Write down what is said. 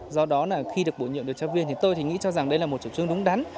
do đó là khi được bổ nhiệm được cho viên thì tôi thì nghĩ cho rằng đây là một trụ trương đúng đắn